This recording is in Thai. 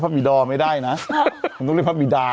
ภะพิดรอะไรล่ะหรอภะพิดา